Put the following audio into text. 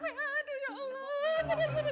bener dia udah diam aja